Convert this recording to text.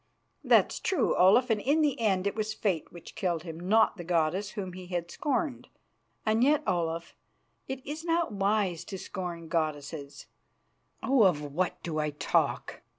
"That's true, Olaf; and in the end it was Fate which killed him, not the goddess whom he had scorned. And yet, Olaf, it is not wise to scorn goddesses. Oh! of what do I talk?